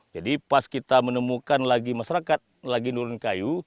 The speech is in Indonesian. jadi pas kita menemukan lagi masyarakat lagi nurun kayu